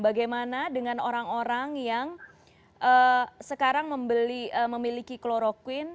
bagaimana dengan orang orang yang sekarang memiliki kloroquine